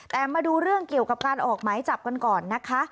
แต่มาดูเรื่องเกี่ยวกับการออกหมายจับกันก่อนนะคะ